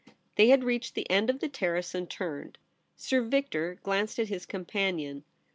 They had reached the end of the Terrace and turned. Sir Victor glanced at his companion.